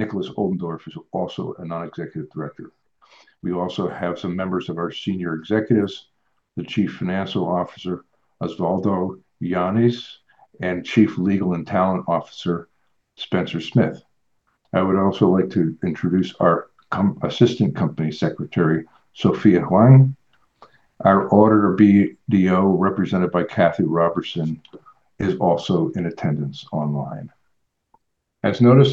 Nikolaus Oldendorff is also a Non-Executive Director. We also have some members of our senior executives, the Chief Financial Officer, Osvaldo Llanes, and Chief Legal and Talent Officer, Spencer Smith. I would also like to introduce our Assistant Company Secretary, Sophia Huang. Our auditor, BDO, represented by Kathy Robertson, is also in attendance online. As the notice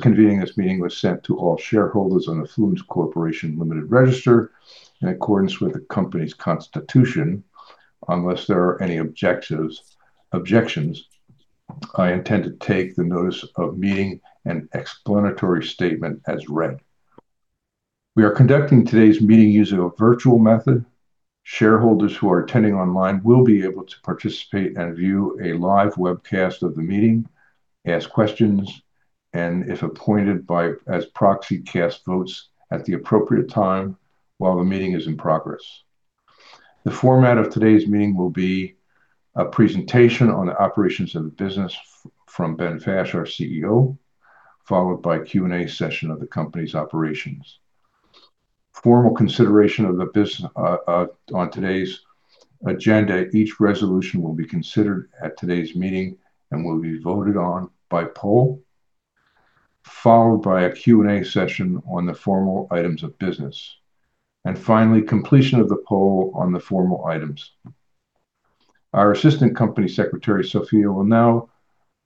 convening this meeting was sent to all shareholders on the Fluence Corporation Limited register in accordance with the company's constitution, unless there are any objections, I intend to take the notice of meeting and explanatory statement as read. We are conducting today's meeting using a virtual method. Shareholders who are attending online will be able to participate and view a live webcast of the meeting, ask questions, and if appointed as proxy, cast votes at the appropriate time while the meeting is in progress. The format of today's meeting will be a presentation on the operations of the business from Ben Fash, our CEO, followed by a Q&A session of the company's operations. Formal consideration on today's agenda, each resolution will be considered at today's meeting and will be voted on by poll, followed by a Q&A session on the formal items of business. Finally, completion of the poll on the formal items. Our Assistant Company Secretary, Sophia, will now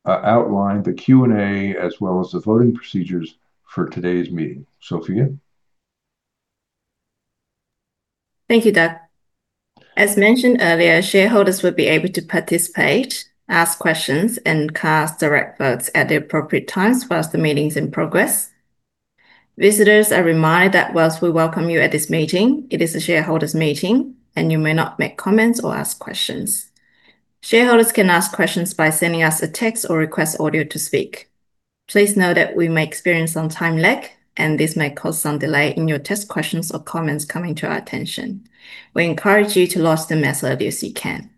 outline the Q&A as well as the voting procedures for today's meeting. Sophia? Thank you, Doug. As mentioned earlier, shareholders will be able to participate, ask questions, and cast direct votes at the appropriate times whilst the meeting's in progress. Visitors are reminded that whilst we welcome you at this meeting, it is a shareholders' meeting, and you may not make comments or ask questions. Shareholders can ask questions by sending us a text or request audio to speak. Please note that we may experience some time lag, and this may cause some delay in your text questions or comments coming to our attention. We encourage you to lodge them as early as you can.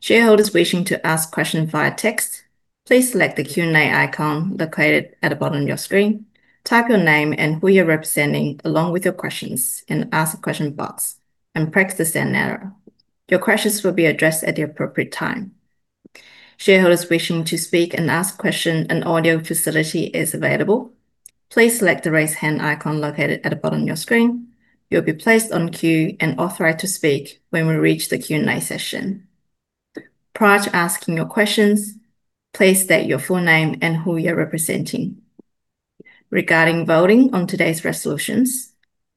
Shareholders wishing to ask questions via text, please select the Q&A icon located at the bottom of your screen. Type your name and who you're representing along with your questions in the ask a question box, and press the send arrow. Your questions will be addressed at the appropriate time. Shareholders wishing to speak and ask questions, an audio facility is available. Please select the Raise Hand icon located at the bottom of your screen. You'll be placed on queue and authorized to speak when we reach the Q&A session. Prior to asking your questions, please state your full name and who you're representing. Regarding voting on today's resolutions,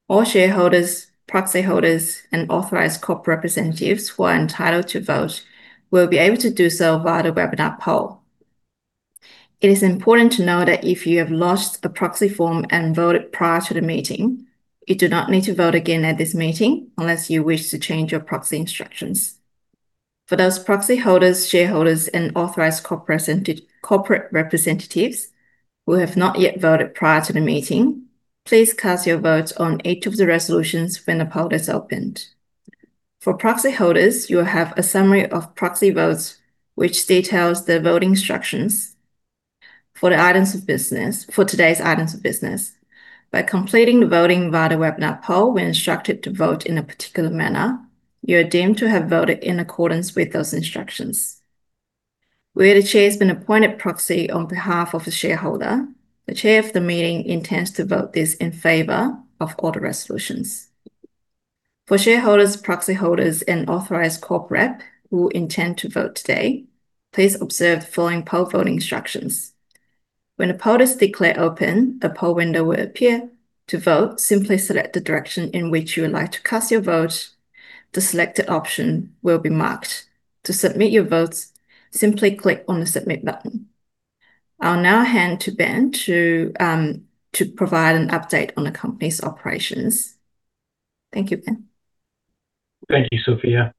all shareholders, proxy holders, and authorized corp representatives who are entitled to vote will be able to do so via the webinar poll. It is important to note that if you have lodged a proxy form and voted prior to the meeting, you do not need to vote again at this meeting unless you wish to change your proxy instructions. For those proxy holders, shareholders, and authorized corporate representatives who have not yet voted prior to the meeting, please cast your votes on each of the resolutions when the poll is opened. For proxy holders, you will have a summary of proxy votes which details the voting instructions for today's items of business. By completing the voting via the webinar poll, when instructed to vote in a particular manner, you are deemed to have voted in accordance with those instructions. Where the Chair's been appointed proxy on behalf of a shareholder, the Chair of the meeting intends to vote this in favor of all the resolutions. For shareholders, proxy holders, and authorized corp rep who intend to vote today, please observe the following poll voting instructions. When a poll is declared open, a poll window will appear. To vote, simply select the direction in which you would like to cast your vote. The selected option will be marked. To submit your votes, simply click on the Submit button. I'll now hand to Ben to provide an update on the company's operations. Thank you, Ben. Thank you, Sophia.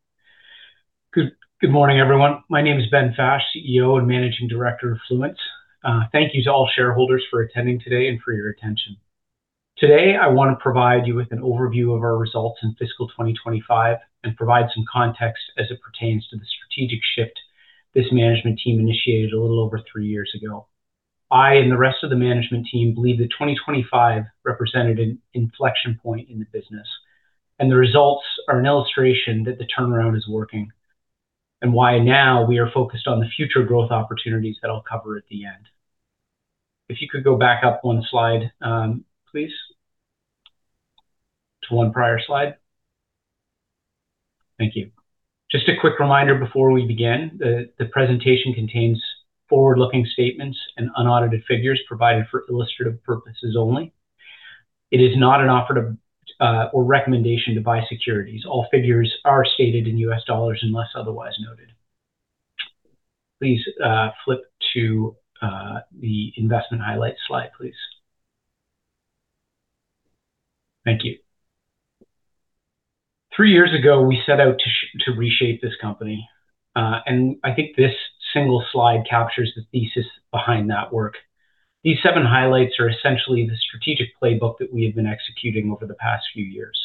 Good morning, everyone. My name is Ben Fash, CEO and Managing Director of Fluence. Thank you to all shareholders for attending today and for your attention. Today, I want to provide you with an overview of our results in fiscal 2025 and provide some context as it pertains to the strategic shift this management team initiated a little over three years ago. I and the rest of the management team believe that 2025 represented an inflection point in the business, and the results are an illustration that the turnaround is working and why now we are focused on the future growth opportunities that I'll cover at the end. If you could go back up one slide, please. To one prior slide. Thank you. Just a quick reminder before we begin, the presentation contains forward-looking statements and unaudited figures provided for illustrative purposes only. It is not an offer or recommendation to buy securities. All figures are stated in U.S. dollars, unless otherwise noted. Please flip to the investment highlights slide, please. Thank you. Three years ago, we set out to reshape this company, and I think this single slide captures the thesis behind that work. These seven highlights are essentially the strategic playbook that we have been executing over the past few years: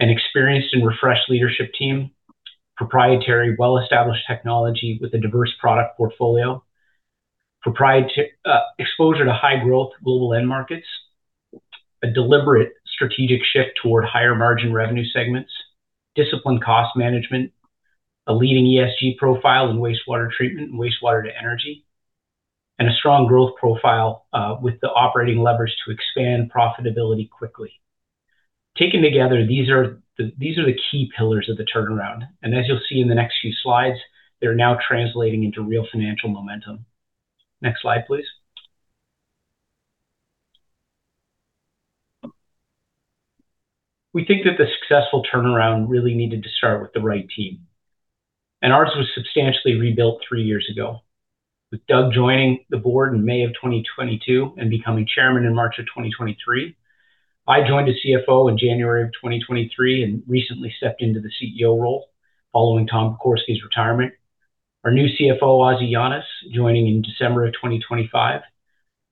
an experienced and refreshed leadership team; proprietary well-established technology with a diverse product portfolio; exposure to high growth global end markets; a deliberate strategic shift toward higher margin revenue segments; disciplined cost management; a leading ESG profile in wastewater treatment and wastewater-to-energy; a strong growth profile, with the operating leverage to expand profitability quickly. Taken together, these are the key pillars of the turnaround. As you'll see in the next few slides, they're now translating into real financial momentum. Next slide, please. We think that the successful turnaround really needed to start with the right team, and ours was substantially rebuilt three years ago, with Doug joining the board in May of 2022 and becoming Chairman in March of 2023. I joined as CFO in January of 2023 and recently stepped into the CEO role following Tom Pokorsky's retirement. Our new CFO, Ozzy Llanes, joining in December of 2025.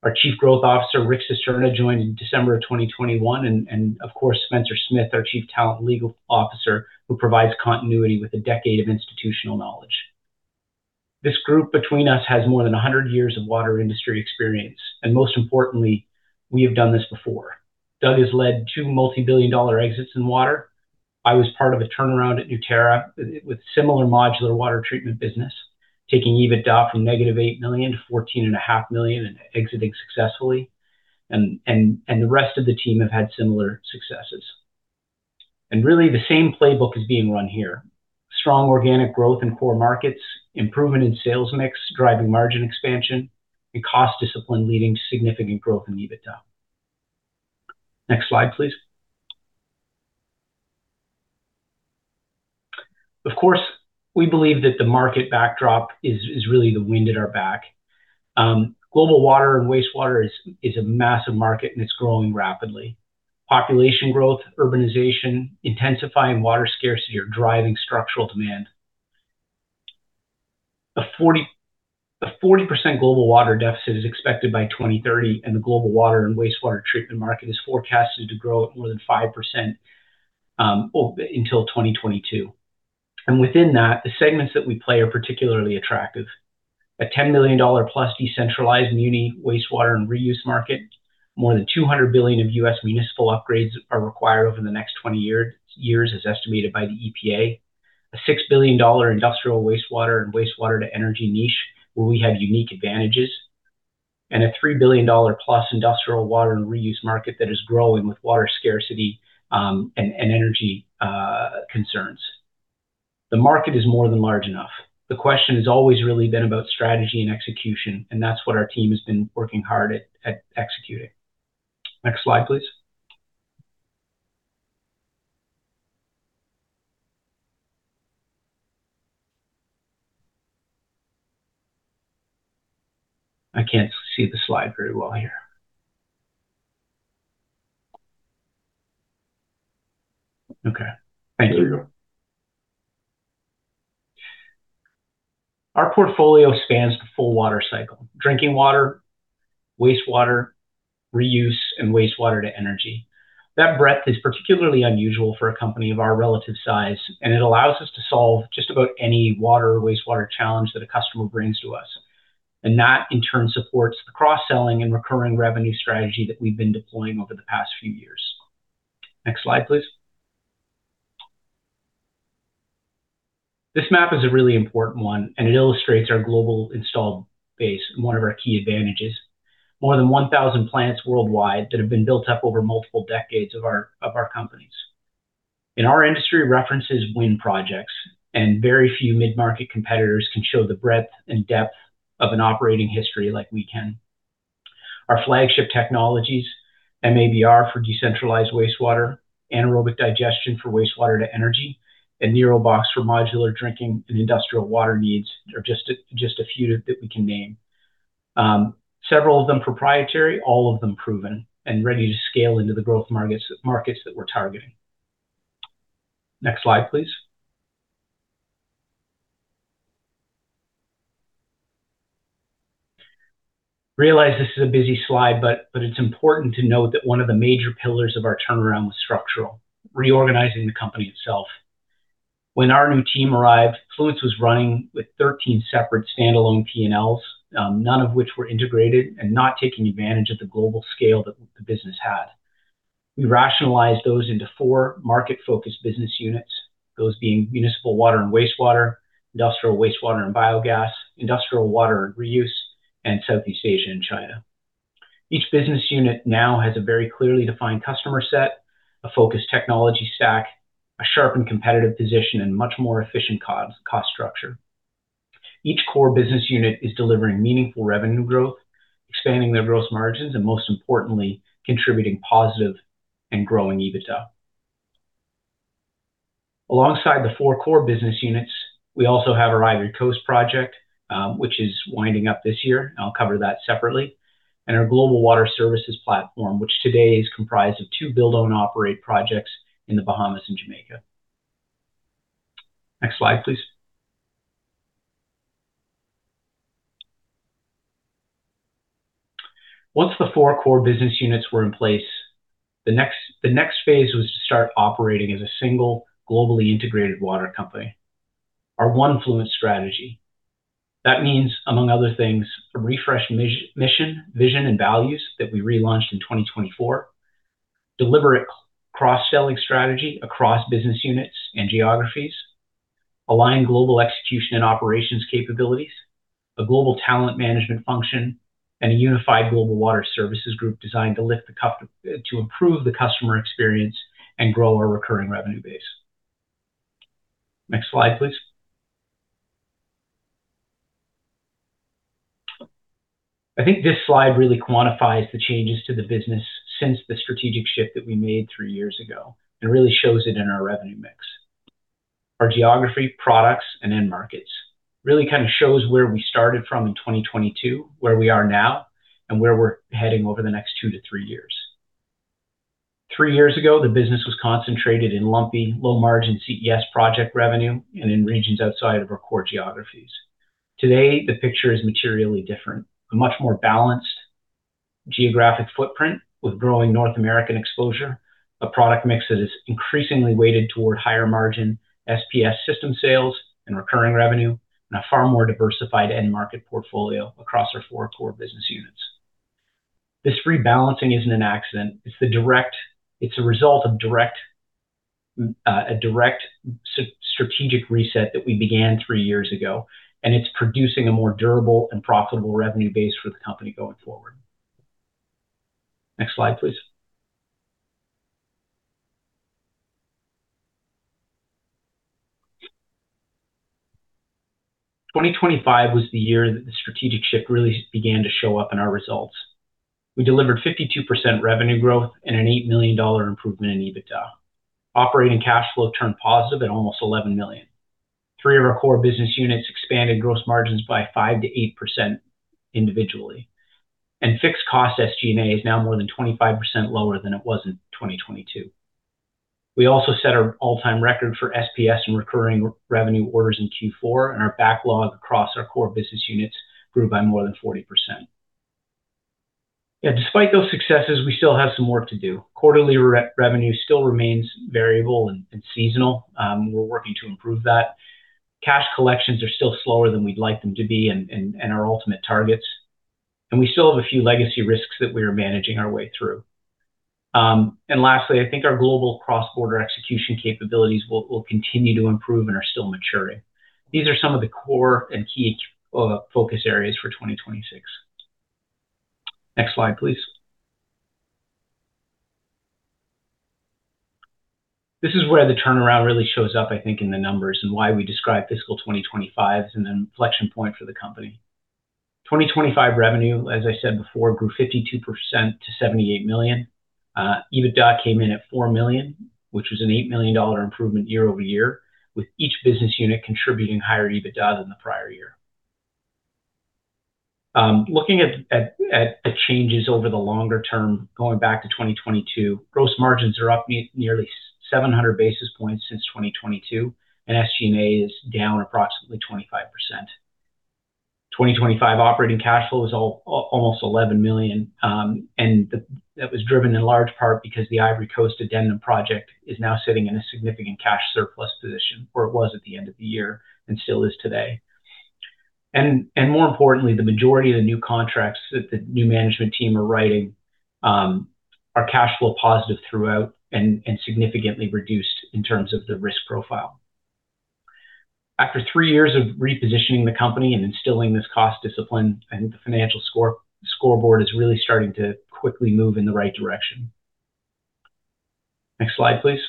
Our Chief Growth Officer, Rick Cisterna, joined in December of 2021, and, of course, Spencer Smith, our Chief Talent and Legal Officer, who provides continuity with a decade of institutional knowledge. This group between us has more than 100 years of water industry experience, and most importantly, we have done this before. Doug has led two multi-billion-dollar exits in water. I was part of a turnaround at Newterra with similar modular water treatment business, taking EBITDA from -$8 million to $14.5 million and exiting successfully. The rest of the team have had similar successes. Really the same playbook is being run here. Strong organic growth in core markets, improvement in sales mix, driving margin expansion, and cost discipline leading to significant growth in EBITDA. Next slide, please. Of course, we believe that the market backdrop is really the wind at our back. Global water and wastewater is a massive market, and it's growing rapidly. Population growth, urbanization, intensifying water scarcity are driving structural demand. A 40% global water deficit is expected by 2030, the global water and wastewater treatment market is forecasted to grow at more than 5% until 2022. Within that, the segments that we play are particularly attractive. A $10+ million decentralized muni wastewater and reuse market, more than $200 billion of U.S. municipal upgrades are required over the next 20 years, as estimated by the EPA. A $6 billion industrial wastewater and wastewater-to-energy niche where we have unique advantages. A $3+ billion industrial water and reuse market that is growing with water scarcity and energy concerns. The market is more than large enough. The question has always really been about strategy and execution, that's what our team has been working hard at executing. Next slide, please. I can't see the slide very well here. Okay, thank you. There you go. Our portfolio spans the full water cycle: drinking water, wastewater, reuse, and wastewater-to-energy. That breadth is particularly unusual for a company of our relative size. It allows us to solve just about any water or wastewater challenge that a customer brings to us. That, in turn, supports the cross-selling and recurring revenue strategy that we've been deploying over the past few years. Next slide, please. This map is a really important one. It illustrates our global installed base and one of our key advantages. More than 1,000 plants worldwide that have been built up over multiple decades of our companies. In our industry, references win projects. Very few mid-market competitors can show the breadth and depth of an operating history like we can. Our flagship technologies, MABR for decentralized wastewater, anaerobic digestion for wastewater-to-energy, and NIROBOX for modular drinking and industrial water needs are just a few that we can name. Several of them proprietary, all of them proven and ready to scale into the growth markets that we're targeting. Next slide, please. I realize this is a busy slide, but it's important to note that one of the major pillars of our turnaround was structural, reorganizing the company itself. When our new team arrived, Fluence was running with 13 separate standalone P&Ls, none of which were integrated and not taking advantage of the global scale that the business had. We rationalized those into four market-focused business units, those being municipal water and wastewater, industrial wastewater and biogas, industrial water and reuse, and Southeast Asia and China. Each business unit now has a very clearly-defined customer set, a focused technology stack, a sharpened competitive position, and much more efficient cost structure. Each core business unit is delivering meaningful revenue growth, expanding their gross margins, and most importantly, contributing positive and growing EBITDA. Alongside the four core business units, we also have our Ivory Coast project, which is winding up this year. I'll cover that separately. Our global water services platform, which today is comprised of two build-own operate projects in the Bahamas and Jamaica. Next slide, please. Once the four core business units were in place, the next phase was to start operating as a single globally integrated water company. Our One Fluence strategy. That means, among other things, a refreshed mission, vision, and values that we relaunched in 2024, deliberate cross-selling strategy across business units and geographies, aligned global execution and operations capabilities, a global talent management function, and a unified global water services group designed to improve the customer experience and grow our recurring revenue base. Next slide, please. I think this slide really quantifies the changes to the business since the strategic shift that we made three years ago, and really shows it in our revenue mix. Our geography, products, and end markets really kind of shows where we started from in 2022, where we are now, and where we're heading over the next two to three years. Three years ago, the business was concentrated in lumpy, low-margin CES project revenue and in regions outside of our core geographies. Today, the picture is materially different. A much more balanced geographic footprint with growing North American exposure, a product mix that is increasingly weighted toward higher-margin SPS system sales and recurring revenue, and a far more diversified end market portfolio across our four core business units. This rebalancing isn't an accident. It's a result of a direct strategic reset that we began three years ago, and it's producing a more durable and profitable revenue base for the company going forward. Next slide, please. 2025 was the year that the strategic shift really began to show up in our results. We delivered 52% revenue growth and an $8 million improvement in EBITDA. Operating cash flow turned positive at almost $11 million. Three of our core business units expanded gross margins by 5%-8% individually, and fixed cost SG&A is now more than 25% lower than it was in 2022. We also set our all-time record for SPS and recurring revenue orders in Q4, and our backlog across our core business units grew by more than 40%. Yet despite those successes, we still have some work to do. Quarterly revenue still remains variable and seasonal. We're working to improve that. Cash collections are still slower than we'd like them to be and our ultimate targets. We still have a few legacy risks that we are managing our way through. Lastly, I think our global cross-border execution capabilities will continue to improve and are still maturing. These are some of the core and key focus areas for 2026. Next slide, please. This is where the turnaround really shows up, I think, in the numbers, and why we describe fiscal 2025 as an inflection point for the company. 2025 revenue, as I said before, grew 52% to $78 million. EBITDA came in at $4 million, which was an $8 million improvement year-over-year, with each business unit contributing higher EBITDA than the prior year. Looking at the changes over the longer term, going back to 2022, gross margins are up nearly 700 basis points since 2022, and SG&A is down approximately 25%. 2025 operating cash flow was almost $11 million, and that was driven in large part because the Ivory Coast addendum project is now sitting in a significant cash surplus position, where it was at the end of the year, and still is today. More importantly, the majority of the new contracts that the new management team are writing are cash flow positive throughout and significantly reduced in terms of the risk profile. After three years of repositioning the company and instilling this cost discipline, I think the financial scoreboard is really starting to quickly move in the right direction. Next slide, please.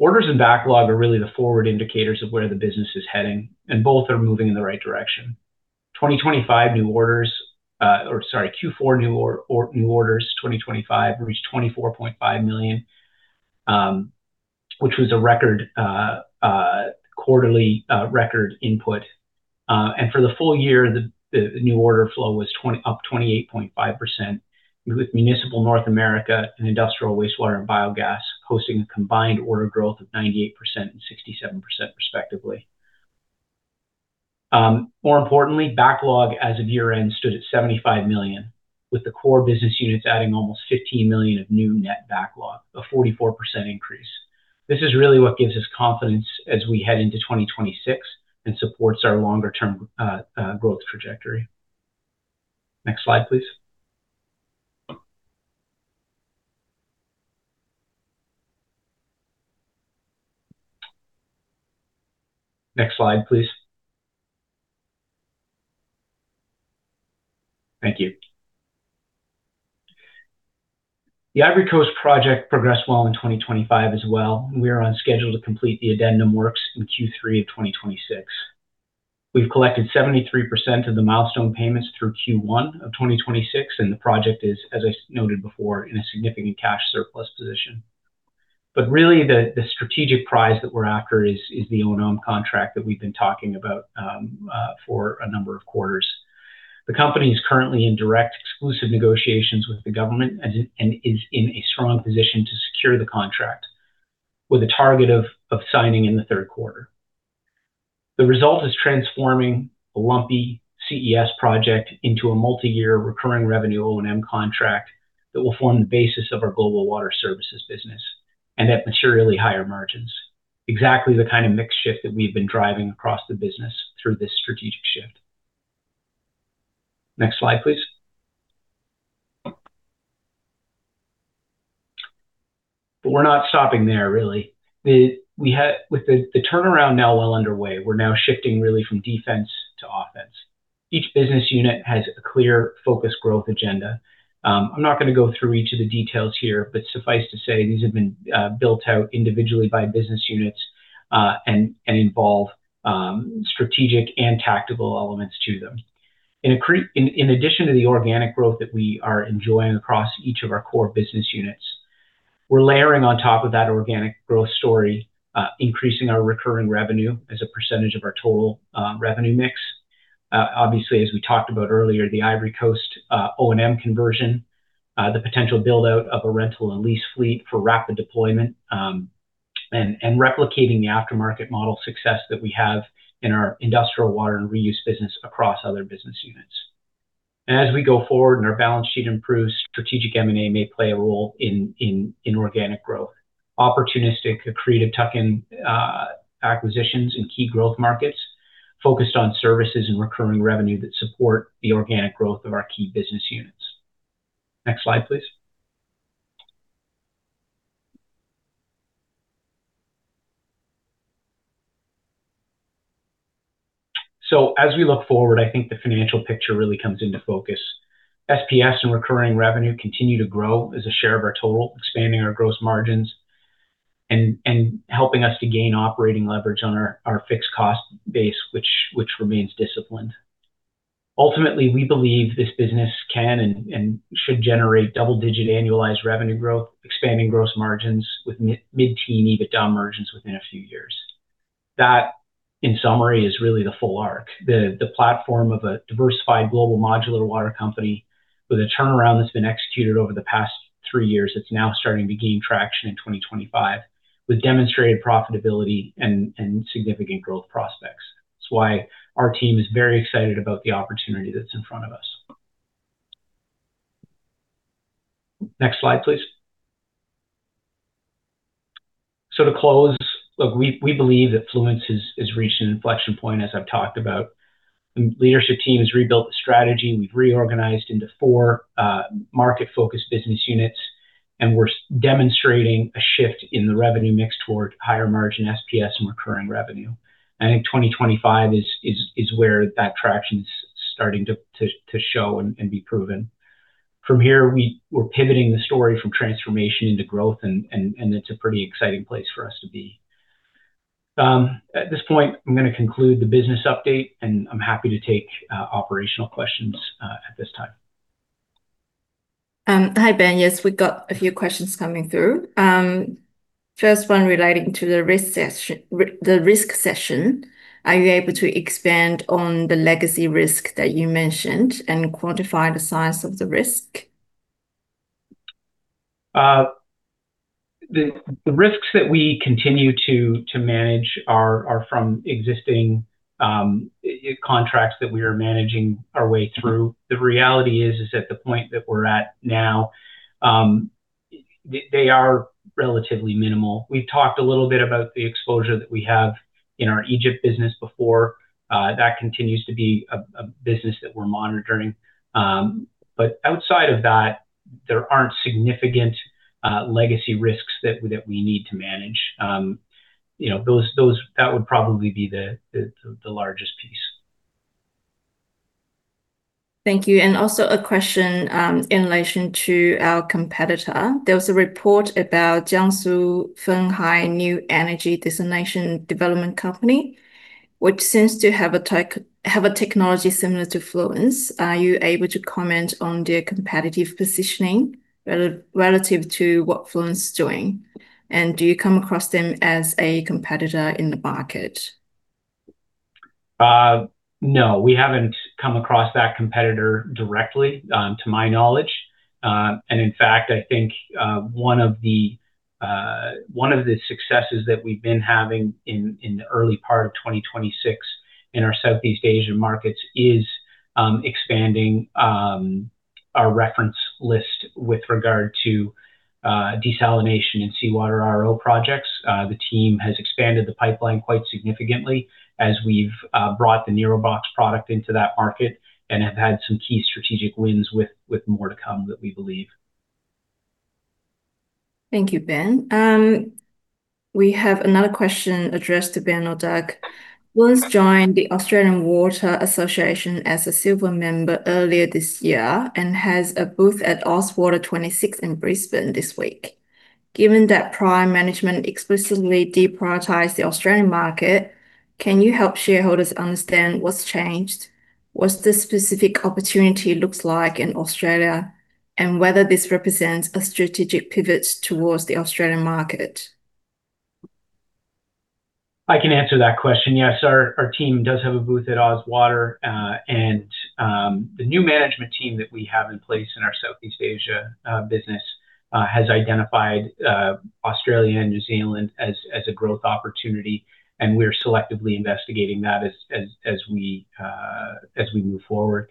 Orders and backlog are really the forward indicators of where the business is heading, and both are moving in the right direction. Q4 new orders 2025 reached $24.5 million, which was a quarterly record input. For the full year, the new order flow was up 28.5%, with municipal North America and industrial wastewater and biogas hosting a combined order growth of 98% and 67%, respectively. More importantly, backlog as of year end stood at $75 million, with the core business units adding almost $15 million of new net backlog, a 44% increase. This is really what gives us confidence as we head into 2026 and supports our longer-term growth trajectory. Next slide, please. Next slide, please. Thank you. The Ivory Coast project progressed well in 2025 as well. We are on schedule to complete the addendum works in Q3 of 2026. We've collected 73% of the milestone payments through Q1 of 2026, and the project is, as I noted before, in a significant cash surplus position. Really the strategic prize that we're after is the O&M contract that we've been talking about for a number of quarters. The company is currently in direct, exclusive negotiations with the government and is in a strong position to secure the contract. With a target of signing in the third quarter. The result is transforming a lumpy CES project into a multi-year recurring revenue O&M contract that will form the basis of our global water services business, and at materially higher margins. Exactly the kind of mix shift that we've been driving across the business through this strategic shift. Next slide, please. We're not stopping there, really. With the turnaround now well underway, we're now shifting really from defense to offense. Each business unit has a clear focus growth agenda. I'm not going to go through each of the details here, but suffice to say, these have been built out individually by business units, and involve strategic and tactical elements to them. In addition to the organic growth that we are enjoying across each of our core business units, we're layering on top of that organic growth story, increasing our recurring revenue as a percentage of our total revenue mix. Obviously, as we talked about earlier, the Ivory Coast O&M conversion, the potential build-out of a rental and lease fleet for rapid deployment, and replicating the aftermarket model success that we have in our industrial water and reuse business across other business units. As we go forward and our balance sheet improves, strategic M&A may play a role in organic growth. Opportunistic, accretive tuck-in acquisitions in key growth markets focused on services and recurring revenue that support the organic growth of our key business units. Next slide, please. As we look forward, I think the financial picture really comes into focus. SPS and recurring revenue continue to grow as a share of our total, expanding our gross margins and helping us to gain operating leverage on our fixed cost base, which remains disciplined. Ultimately, we believe this business can and should generate double-digit annualized revenue growth, expanding gross margins with mid-teen EBITDA margins within a few years. That, in summary, is really the full arc. The platform of a diversified global modular water company with a turnaround that's been executed over the past three years, it's now starting to gain traction in 2025 with demonstrated profitability and significant growth prospects. It's why our team is very excited about the opportunity that's in front of us. Next slide, please. To close, look, we believe that Fluence has reached an inflection point, as I've talked about. The leadership team has rebuilt the strategy. We've reorganized into four market-focused business units, and we're demonstrating a shift in the revenue mix towards higher margin SPS and recurring revenue. I think 2025 is where that traction's starting to show and be proven. From here, we're pivoting the story from transformation into growth, and it's a pretty exciting place for us to be. At this point, I'm going to conclude the business update, and I'm happy to take operational questions at this time. Hi, Ben. Yes, we've got a few questions coming through. First one relating to the risk session. Are you able to expand on the legacy risk that you mentioned and quantify the size of the risk? The risks that we continue to manage are from existing contracts that we are managing our way through. The reality is, at the point that we're at now, they are relatively minimal. We've talked a little bit about the exposure that we have in our Egypt business before. That continues to be a business that we're monitoring. Outside of that, there aren't significant legacy risks that we need to manage. That would probably be the largest piece. Thank you. Also a question in relation to our competitor. There was a report about Jiangsu Fenghai New Energy Seawater Desalination Development Co, Ltd, which seems to have a technology similar to Fluence. Are you able to comment on their competitive positioning relative to what Fluence is doing, and do you come across them as a competitor in the market? No, we haven't come across that competitor directly, to my knowledge. In fact, I think one of the successes that we've been having in the early part of 2026 in our Southeast Asian markets is expanding our reference list with regard to desalination and seawater RO projects. The team has expanded the pipeline quite significantly as we've brought the NIROBOX product into that market and have had some key strategic wins with more to come that we believe. Thank you, Ben. We have another question addressed to Doug. Fluence joined the Australian Water Association as a Silver member earlier this year and has a booth at Ozwater'26 in Brisbane this week. Given that prior management explicitly deprioritized the Australian market, can you help shareholders understand what's changed, what the specific opportunity looks like in Australia, and whether this represents a strategic pivot towards the Australian market? I can answer that question. Yes, our team does have a booth at Ozwater. The new management team that we have in place in our Southeast Asia business has identified Australia and New Zealand as a growth opportunity, and we're selectively investigating that as we move forward.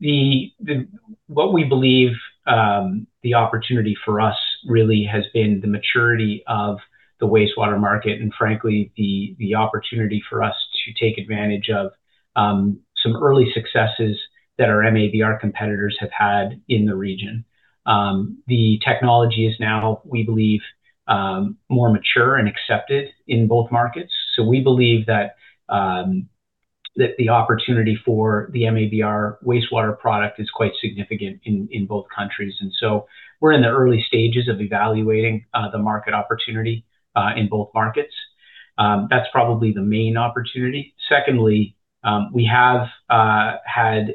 What we believe the opportunity for us really has been the maturity of the wastewater market, and frankly, the opportunity for us to take advantage of some early successes that our MABR competitors have had in the region. The technology is now, we believe, more mature and accepted in both markets. We believe that the opportunity for the MABR wastewater product is quite significant in both countries. We're in the early stages of evaluating the market opportunity, in both markets. That's probably the main opportunity. Secondly, we have had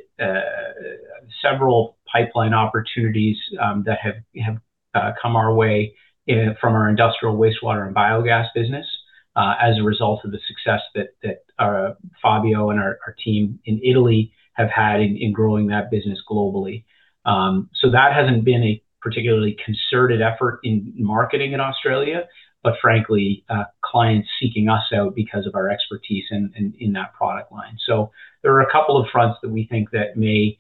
several pipeline opportunities that have come our way from our Industrial Wastewater and Biogas business, as a result of the success that Fabio and our team in Italy have had in growing that business globally. That hasn't been a particularly concerted effort in marketing in Australia. Frankly, clients seeking us out because of our expertise in that product line. There are a couple of fronts that we think that may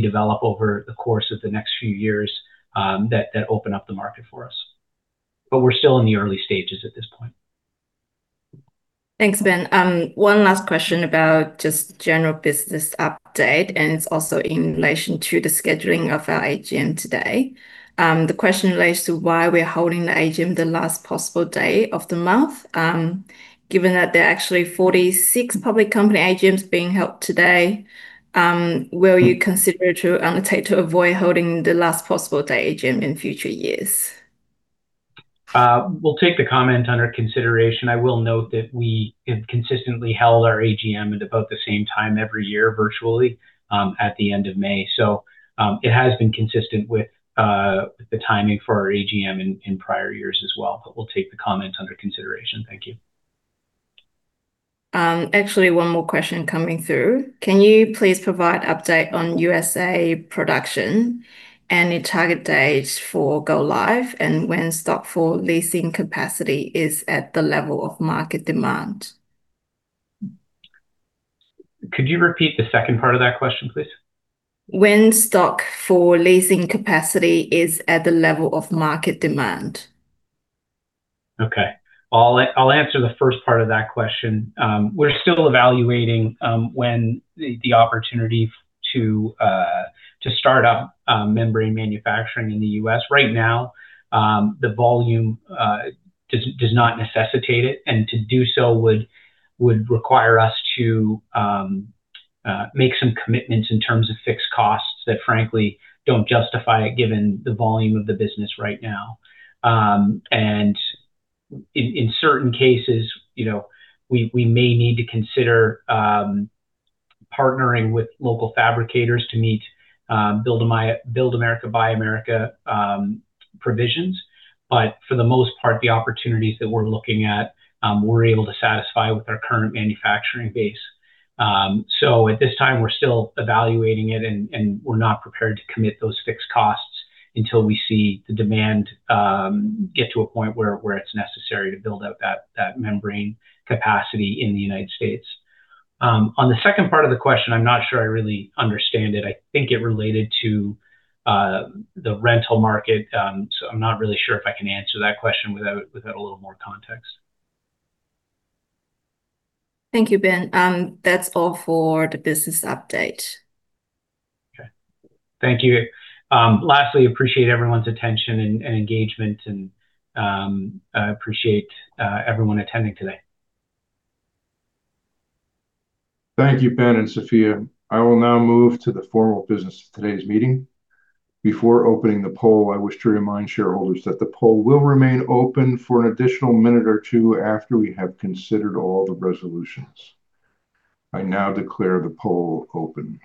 develop over the course of the next few years that open up the market for us. We're still in the early stages at this point. Thanks, Ben. One last question about just general business update, and it's also in relation to the scheduling of our AGM today. The question relates to why we're holding the AGM the last possible day of the month. Given that there are actually 46 public company AGMs being held today, will you consider to annotate to avoid holding the last possible day AGM in future years? We'll take the comment under consideration. I will note that we have consistently held our AGM at about the same time every year virtually, at the end of May. It has been consistent with the timing for our AGM in prior years as well. We'll take the comment under consideration. Thank you. Actually, one more question coming through. Can you please provide update on U.S.A. production and your target date for go live, and when stock for leasing capacity is at the level of market demand? Could you repeat the second part of that question, please? When stock for leasing capacity is at the level of market demand. Okay. I'll answer the first part of that question. We're still evaluating when the opportunity to start up membrane manufacturing in the U.S. Right now, the volume does not necessitate it, and to do so would require us to make some commitments in terms of fixed costs that frankly don't justify it given the volume of the business right now. In certain cases, we may need to consider partnering with local fabricators to meet Build America, Buy America provisions. For the most part, the opportunities that we're looking at, we're able to satisfy with our current manufacturing base. At this time, we're still evaluating it, and we're not prepared to commit those fixed costs until we see the demand get to a point where it's necessary to build out that membrane capacity in the United States. On the second part of the question, I'm not sure I really understand it. I think it related to the rental market. I'm not really sure if I can answer that question without a little more context. Thank you, Ben. That's all for the business update. Okay. Thank you. Lastly, appreciate everyone's attention and engagement, and I appreciate everyone attending today. Thank you, Ben and Sophia. I will now move to the formal business of today's meeting. Before opening the poll, I wish to remind shareholders that the poll will remain open for an additional minute or two after we have considered all the resolutions. I now declare the poll open.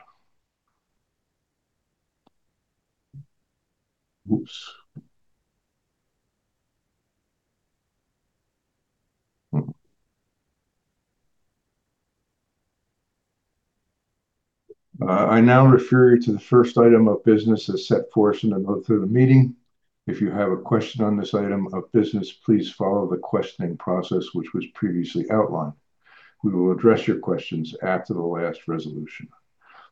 I now refer you to the first item of business as set forth in the vote through the meeting. If you have a question on this item of business, please follow the questioning process which was previously outlined. We will address your questions after the last resolution.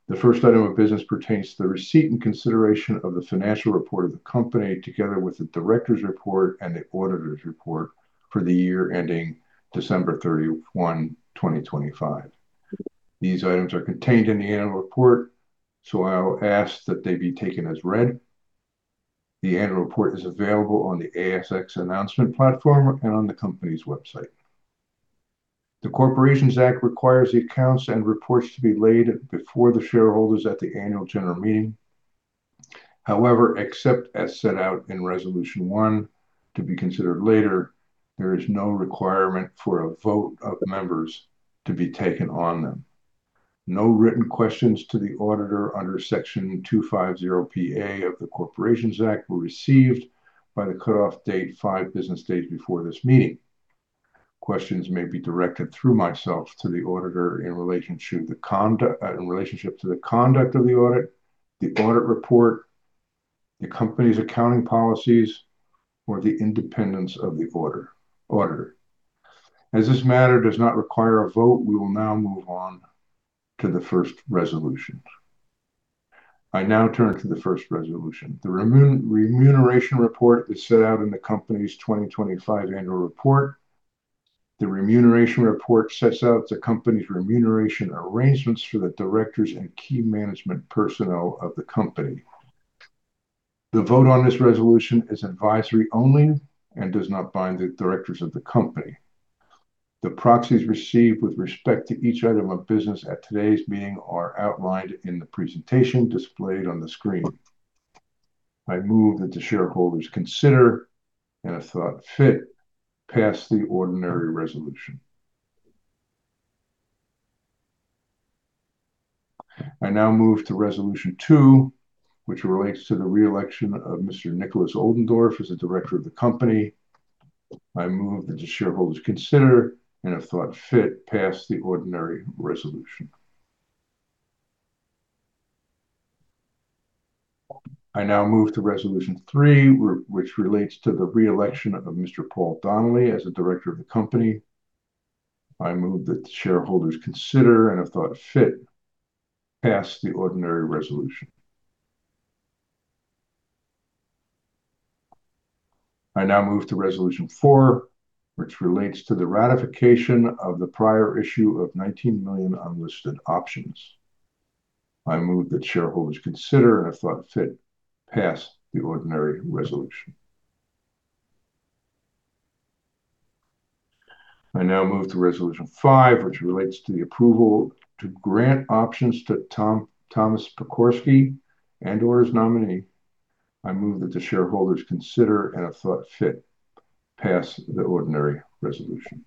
The first item of business pertains to the receipt and consideration of the financial report of the company, together with the directors' report and the auditors' report for the year ending December 31, 2025. These items are contained in the annual report, so I'll ask that they be taken as read. The annual report is available on the ASX announcement platform and on the company's website. The Corporations Act requires the accounts and reports to be laid before the shareholders at the Annual General Meeting. However, except as set out in resolution one to be considered later, there is no requirement for a vote of members to be taken on them. No written questions to the auditor under Section 250PA of the Corporations Act were received by the cutoff date, five business days before this meeting. Questions may be directed through myself to the auditor in relationship to the conduct of the audit, the audit report, the company's accounting policies, or the independence of the auditor. As this matter does not require a vote, we will now move on to the first resolution. I now turn to the first resolution. The remuneration report is set out in the company's 2025 annual report. The remuneration report sets out the company's remuneration arrangements for the directors and key management personnel of the company. The vote on this resolution is advisory only and does not bind the directors of the company. The proxies received with respect to each item of business at today's meeting are outlined in the presentation displayed on the screen. I move that the shareholders consider, and if thought fit, pass the ordinary resolution. I now move to resolution two, which relates to the re-election of Mr. Nikolaus Oldendorff as a Director of the company. I move that the shareholders consider, and if thought fit, pass the ordinary resolution. I now move to resolution three, which relates to the re-election of Mr. Paul Donnelly as a Director of the company. I move that shareholders consider, and if thought fit, pass the ordinary resolution. I now move to resolution four, which relates to the ratification of the prior issue of 19 million unlisted options. I move that shareholders consider, and if thought fit, pass the ordinary resolution. I now move to resolution five, which relates to the approval to grant options to Thomas Pokorsky and/or his nominee. I move that the shareholders consider, and if thought fit, pass the ordinary resolution.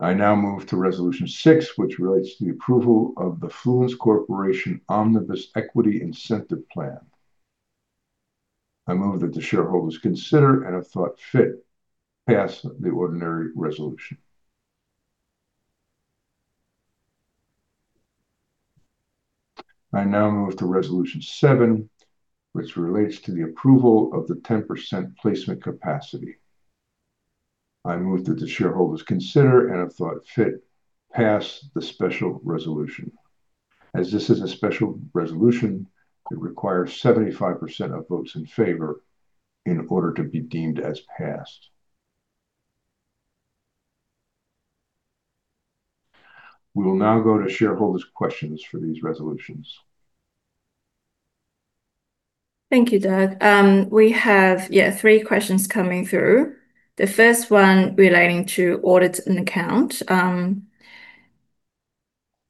I now move to resolution six, which relates to the approval of the Fluence Corporation Omnibus Equity Incentive Plan. I move that the shareholders consider, and if thought fit, pass the ordinary resolution. I now move to resolution seven, which relates to the approval of the 10% placement capacity. I move that the shareholders consider, and if thought fit, pass the special resolution. As this is a special resolution, it requires 75% of votes in favor in order to be deemed as passed. We will now go to shareholders' questions for these resolutions. Thank you, Doug. We have three questions coming through. The first one relating to audit and account.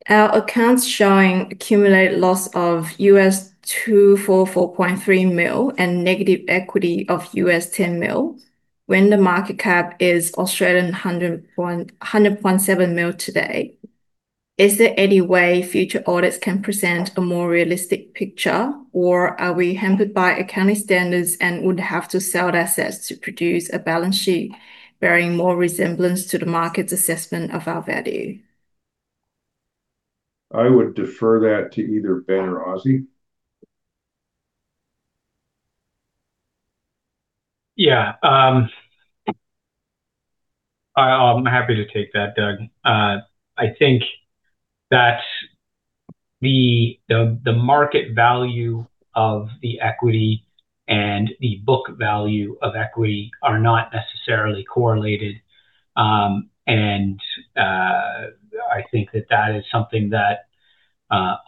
Our accounts showing accumulated loss of $244.3 million and negative equity of $10 million when the market cap is 100.7 million today. Is there any way future audits can present a more realistic picture? Are we hampered by accounting standards and would have to sell assets to produce a balance sheet bearing more resemblance to the market's assessment of our value? I would defer that to either Ben or Ozzie. I'm happy to take that, Doug. I think that the market value of the equity and the book value of equity are not necessarily correlated. I think that that is something that,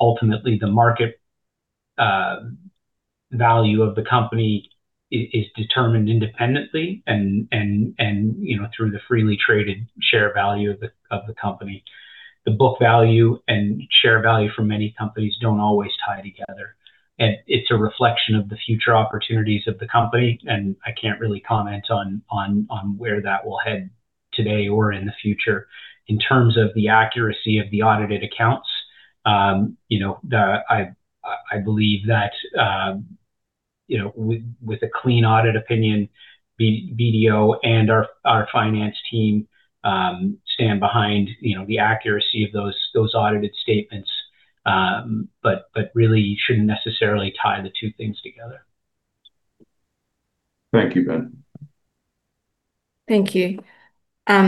ultimately, the market value of the company is determined independently and through the freely traded share value of the company. The book value and share value for many companies don't always tie together, and it's a reflection of the future opportunities of the company, and I can't really comment on where that will head today or in the future. In terms of the accuracy of the audited accounts, I believe that with a clean audit opinion, BDO and our finance team stand behind the accuracy of those audited statements. Really, you shouldn't necessarily tie the two things together. Thank you, Ben. Thank you.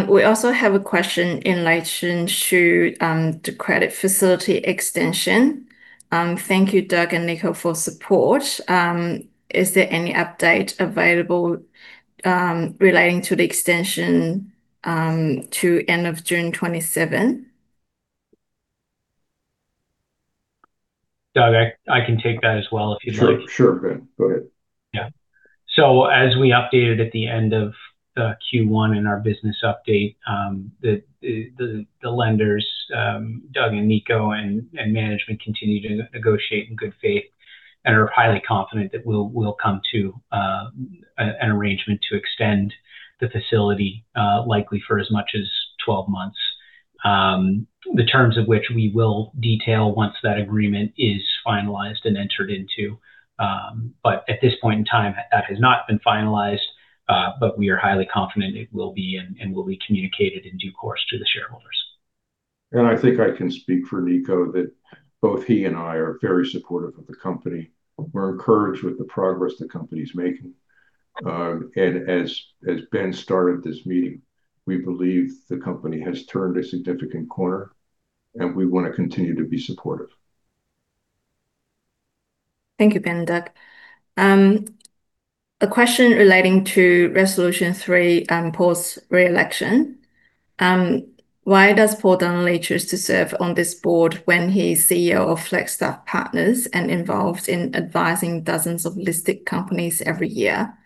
We also have a question in relation to the credit facility extension. Thank you, Doug and Niko, for support. Is there any update available relating to the extension to end of June 2027? Doug, I can take that as well, if you'd like. Sure. Ben, go ahead. As we updated at the end of Q1 in our business update, the lenders, Doug and Niko and management continue to negotiate in good faith and are highly confident that we'll come to an arrangement to extend the facility, likely for as much as 12 months. The terms of which we will detail once that agreement is finalized and entered into. At this point in time, that has not been finalized, but we are highly confident it will be, and will be communicated in due course to the shareholders. I think I can speak for Niko that both he and I are very supportive of the company. We're encouraged with the progress the company's making. As Ben started this meeting, we believe the company has turned a significant corner, and we want to continue to be supportive. Thank you, Ben and Doug. A question relating to resolution three, Paul's re-election. Why does Paul Donnelly choose to serve on this board when he's CEO of Flagstaff Partners and involved in advising dozens of listed companies every year?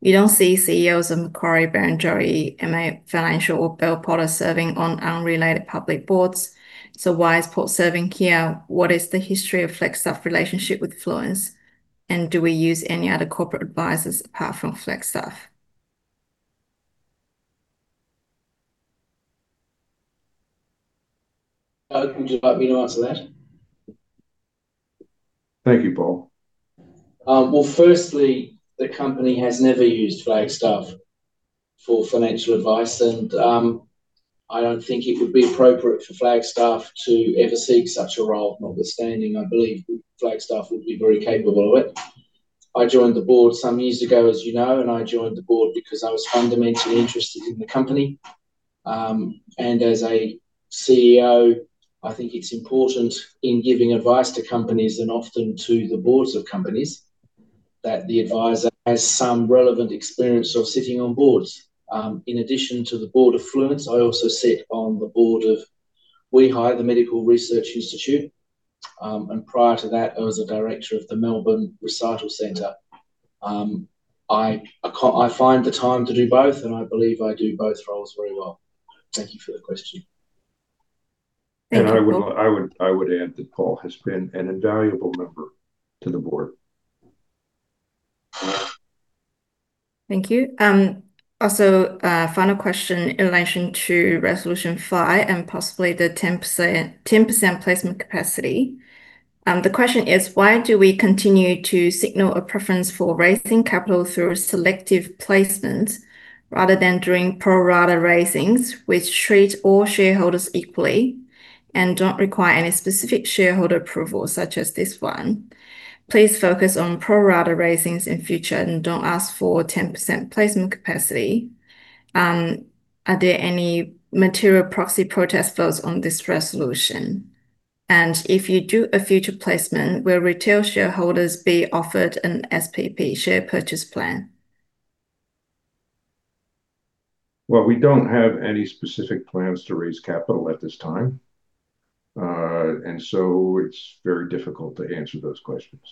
You don't see CEOs of Macquarie, Barrenjoey, MA Financial or Bell Potter serving on unrelated public boards. Why is Paul serving here? What is the history of Flagstaff relationship with Fluence, and do we use any other corporate advisors apart from Flagstaff? Doug, would you like me to answer that? Thank you, Paul. Firstly, the company has never used Flagstaff for financial advice and I don't think it would be appropriate for Flagstaff to ever seek such a role. Notwithstanding, I believe Flagstaff would be very capable of it. I joined the board some years ago, as you know, and I joined the board because I was fundamentally interested in the company. As a CEO, I think it's important in giving advice to companies, and often to the boards of companies, that the advisor has some relevant experience of sitting on boards. In addition to the board of Fluence, I also sit on the board of WEHI, the Medical Research Institute. Prior to that, I was a director of the Melbourne Recital Centre. I find the time to do both, and I believe I do both roles very well. Thank you for the question. I would add that Paul has been an invaluable member to the board. Thank you. Final question in relation to resolution five and possibly the 10% placement capacity. The question is, why do we continue to signal a preference for raising capital through selective placements rather than doing pro rata raisings, which treat all shareholders equally and don't require any specific shareholder approval such as this one? Please focus on pro rata raisings in future and don't ask for 10% placement capacity. Are there any material proxy protest votes on this resolution? If you do a future placement, will retail shareholders be offered an SPP share purchase plan? Well, we don't have any specific plans to raise capital at this time, and so it's very difficult to answer those questions.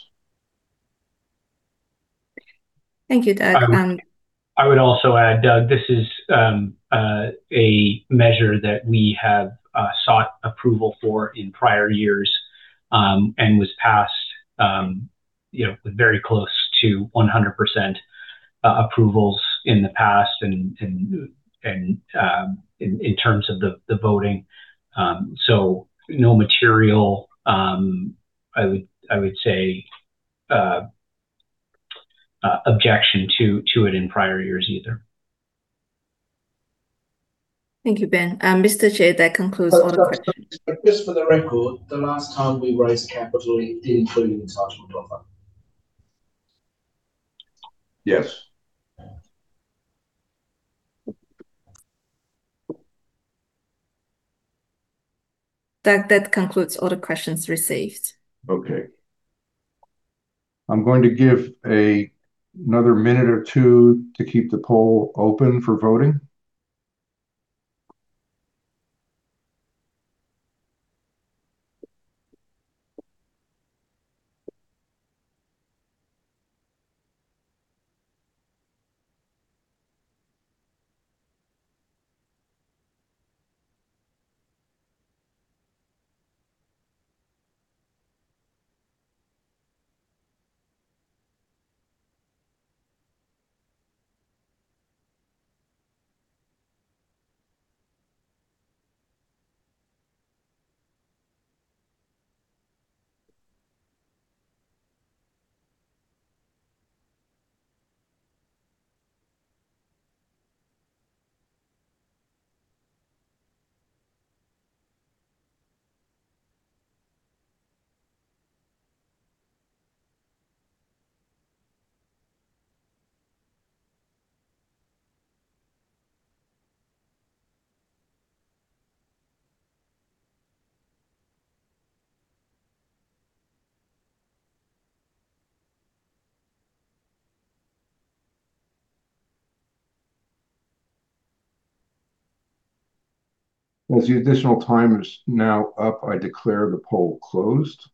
Thank you, Doug. I would also add, Doug, this is a measure that we have sought approval for in prior years, and was passed with very close to 100% approvals in the past and in terms of the voting. No material, I would say, objection to it in prior years either. Thank you, Ben. Mr. Chair, that concludes all the questions. Just for the record, the last time we raised capital it did include an entitlement offer. Yes. Doug, that concludes all the questions received. Okay. I'm going to give another minute or two to keep the poll open for voting. As the additional time is now up, I declare the poll closed.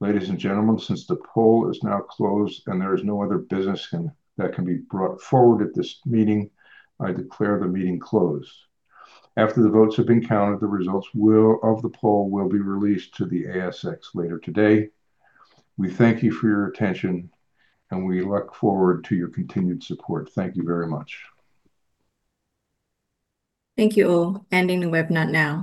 Ladies and gentlemen, since the poll is now closed and there is no other business that can be brought forward at this meeting, I declare the meeting closed. After the votes have been counted, the results of the poll will be released to the ASX later today. We thank you for your attention, and we look forward to your continued support. Thank you very much. Thank you all. Ending the webinar now.